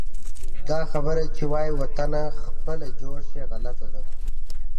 دا خبره چې وایي: وطنه خپله جوړ شي، غلطه ده.